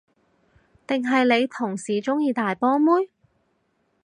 定係你同事鍾意大波妹？